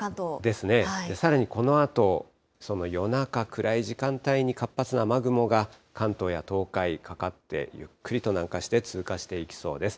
ですね、さらにこのあと、その夜中、暗い時間帯に活発な雨雲が関東や東海、かかってゆっくりと南下して、通過していきそうです。